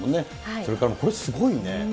それからこれ、すごいね。